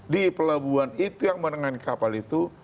di pelabuhan itu yang menengani kapal itu